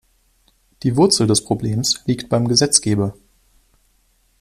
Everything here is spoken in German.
Die Wurzel des Problems liegt beim Gesetzgeber.